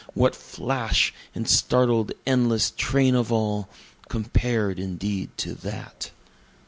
what flash and started endless train of all! compared indeed to that!